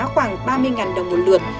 khoảng ba mươi đồng một lượt